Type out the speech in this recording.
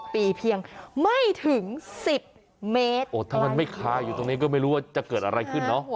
ปีเพียงไม่ถึง๑๐เมตรโอ้ถ้ามันไม่คาอยู่ตรงนี้ก็ไม่รู้ว่าจะเกิดอะไรขึ้นเนอะ